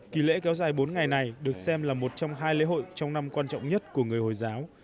kỳ lễ kéo dài bốn ngày này được xem là một trong hai lễ hội trong năm quan trọng nhất của người hồi giáo